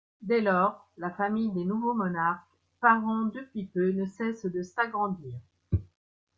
Dès lors, la famille des nouveaux monarques, parents depuis peu, ne cesse de s'agrandir.